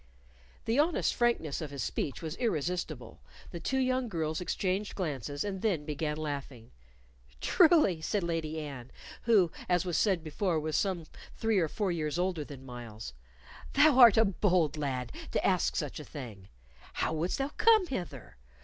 The honest frankness of his speech was irresistible; the two girls exchanged glances and then began laughing. "Truly," said Lady Anne, who, as was said before, was some three or four years older than Myles, "thou art a bold lad to ask such a thing. How wouldst thou come hither?